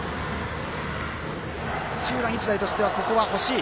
土浦日大としてはここは欲しい。